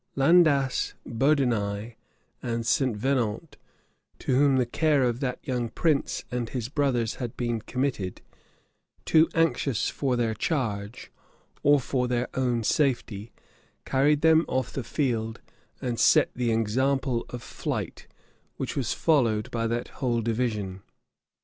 Landas, Bodenai, and St. Venant, to whom the care of that young prince and his brothers had been committed, too anxious for their charge, or for their own safety, carried them off the field, and set the example of flight, which was followed by that whole division.